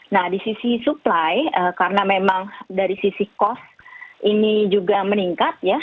nah di sisi supply karena memang dari sisi cost ini juga meningkat ya